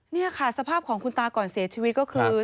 นี่ค่ะสภาพของคุณตาก่อนเสียชีวิตก็คือ